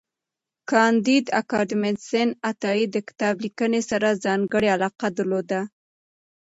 کانديد اکاډميسن عطایي د کتاب لیکنې سره ځانګړی علاقه درلوده.